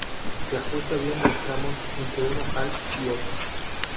Se ajusta bien los tramos entre un ojal y otro.